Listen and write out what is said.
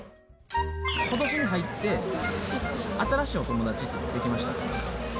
ことしに入って、新しいお友達ってできましたか？